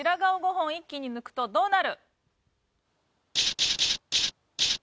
白髪を５本一気に抜くとどうなる？